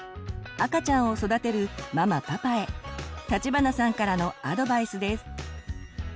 赤ちゃんを育てるママパパへ立花さんからのアドバイスです。